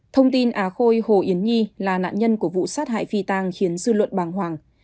thông tin á khôi hồ yến nhi là nạn nhân của vụ sát hại phi tăng khiến dư luận bàng hoàng